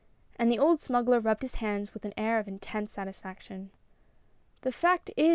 And the old smuggler rubbed his hands with an air of intense satisfaction. " The fact is.